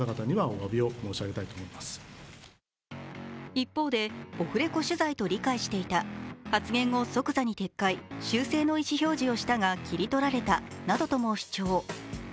一方でオフレコ取材と理解していた、発言後、即座に撤回、修正の意思表示をしたが切り取られたなどとも主張。